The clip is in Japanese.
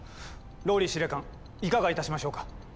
ＲＯＬＬＹ司令官いかがいたしましょうか？